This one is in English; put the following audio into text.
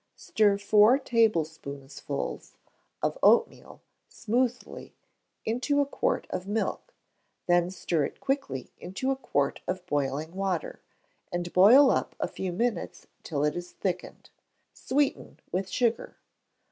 Stir four tablespoonsfuls of oatmeal, smoothly, into a quart of milk, then stir it quickly into a quart of boiling water, and boil up a few minutes till it is thickened: sweeten with sugar.